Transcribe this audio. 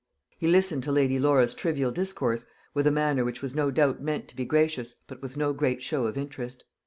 He listened to Lady Laura's trivial discourse with a manner which was no doubt meant to be gracious, but with no great show of interest.